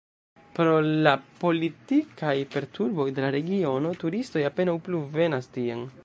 Pro la politikaj perturboj de la regiono turistoj apenaŭ plu venas tien.